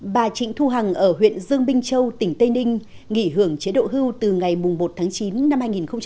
bà trịnh thu hằng ở huyện dương minh châu tỉnh tây ninh nghỉ hưởng chế độ hưu từ ngày một tháng chín năm hai nghìn một mươi chín